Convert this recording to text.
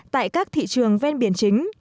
tại các thị trường ven biển chính